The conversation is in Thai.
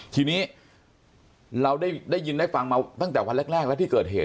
ทีนี้เราได้ยินได้ฟังมาตั้งแต่วันแรกแล้วที่เกิดเหตุ